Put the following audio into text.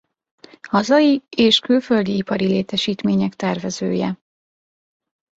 Hazai és külföldi ipari létesítmények tervezője.